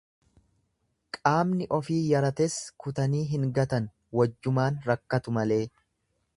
Qaamni ofii yarates kutanii hin gatan wajjumaan rakkatu malee.